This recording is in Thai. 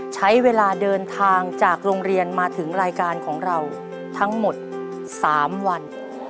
ใช้เวลาเดินทางจากโรงเรียนมาถึงรายการของเราทั้งหมด๓วัน